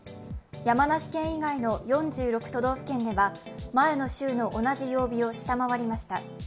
山梨県以外の４６都道府県では前の週の同じ曜日を下回りました。